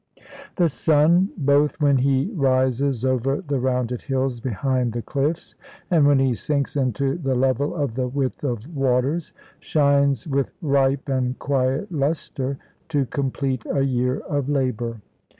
The sun, both when he rises over the rounded hills behind the cliffs, and when he sinks into the level of the width of waters, shines with ripe and quiet lustre, to complete a year of labour.